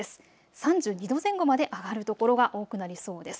３２度前後まで上がる所が多くなりそうです。